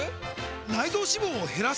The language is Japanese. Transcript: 内臓脂肪を減らす！？